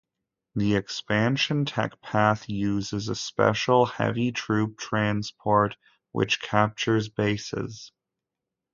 The Expansion techpath uses a special Heavy Troop Transport which captures bases.